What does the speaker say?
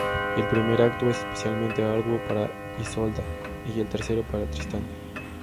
El primer acto es especialmente arduo para Isolda y el tercero para Tristán.